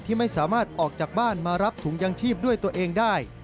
ไม่สามารถออกจากบ้านมารับถุงยางชีพด้วยตัวเองได้